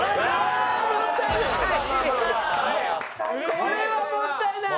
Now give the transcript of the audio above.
これはもったいない！